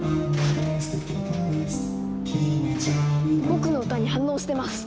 僕の歌に反応してます。